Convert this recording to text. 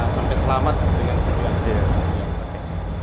sampai selamat dengan kegiatan